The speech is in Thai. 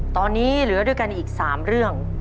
ตอนนี้เหลือด้วยกันอีก๓เรื่อง